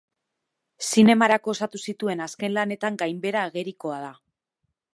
Zinemarako osatu zituen azken lanetan gainbehera agerikoa da.